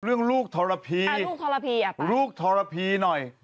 เรื่องลูกธรพีลูกธรพีหน่อย